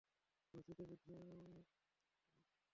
পরিস্থিতিটা বোঝ, উইল।